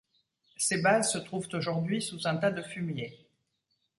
Ses bases se trouvent aujourd'hui sous un tas de fumier.